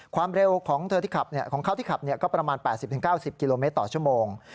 ความเร็วของเขาที่ขับก็ประมาณ๘๐๙๐กิโลเมตรต่อชั่วโมง